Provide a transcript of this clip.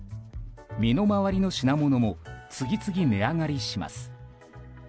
身の回りの品物も次々値上がりします。